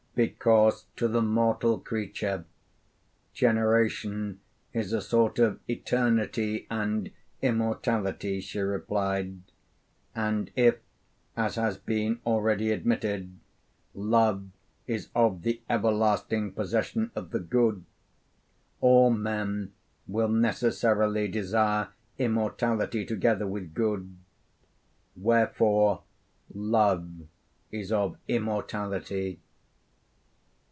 'Because to the mortal creature, generation is a sort of eternity and immortality,' she replied; 'and if, as has been already admitted, love is of the everlasting possession of the good, all men will necessarily desire immortality together with good: Wherefore love is of immortality.'